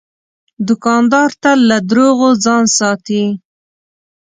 دوکاندار تل له دروغو ځان ساتي.